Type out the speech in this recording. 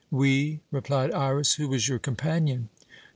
"We?" replied Iras. "Who was your companion?"